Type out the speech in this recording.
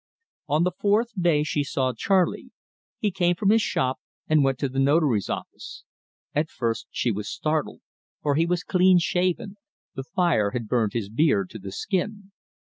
On the fourth day she saw Charley. He came from his shop and went to the Notary's office. At first she was startled, for he was clean shaven the fire had burned his beard to the skin.